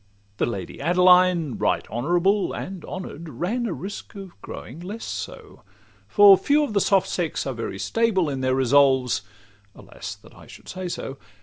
The Lady Adeline, right honourable; And honour'd, ran a risk of growing less so; For few of the soft sex are very stable In their resolves—alas! that I should say so!